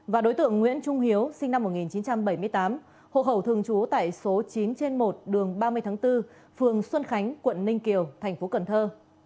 và đối tượng nguyễn trung hiếu sinh năm một nghìn chín trăm bảy mươi tám hộ khẩu thường trú tại số chín trên một đường ba mươi tháng bốn phường xuân khánh quận ninh kiều thành phố cần thơ